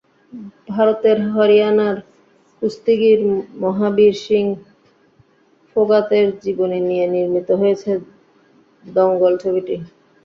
ভারতের হরিয়ানার কুস্তিগির মহাবীর সিং ফোগাতের জীবনী নিয়ে নির্মিত হয়েছে দঙ্গল ছবিটি।